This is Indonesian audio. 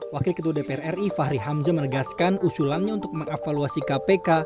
wakil ketua dpr ri fahri hamzah menegaskan usulannya untuk mengevaluasi kpk